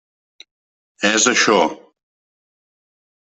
És això!